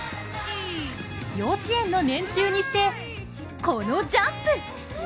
幼稚園の年中にしてこのジャンプ！